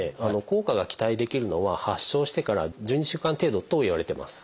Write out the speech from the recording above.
効果が期待できるのは発症してから１２週間程度といわれてます。